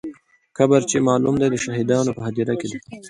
قبر چې معلوم دی، د شهیدانو په هدیره کې دی.